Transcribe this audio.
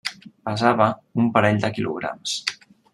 Pesava un parell de quilograms.